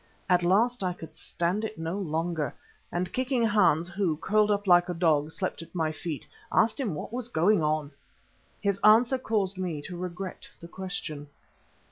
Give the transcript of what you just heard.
At last I could stand it no longer, and kicking Hans who, curled up like a dog, slept at my feet, asked him what was going on. His answer caused me to regret the question.